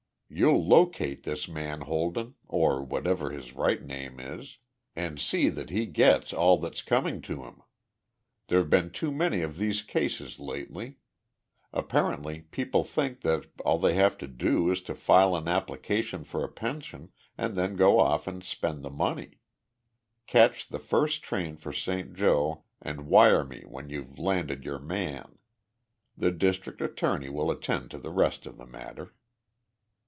You'll locate this man Holden or whatever his right name is and see that he gets all that's coming to him. There've been too many of these cases lately. Apparently people think that all they have to do is to file an application for a pension and then go off and spend the money. Catch the first train for Saint Joe and wire me when you've landed your man. The district attorney will attend to the rest of the matter."